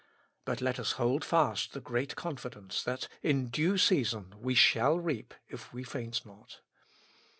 But let us hold fast the great confidence, that in due season we shall reap, if we faint not.